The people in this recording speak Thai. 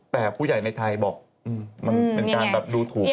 แต่ผู้ใหญ่ในไทยบอกมันเป็นการแบบดูถูก